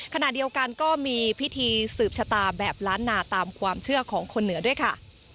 ขณะเดียวกันก็มีพิธีสืบชะตาแบบล้านนาตามความเชื่อของคนเหนือด้วยค่ะ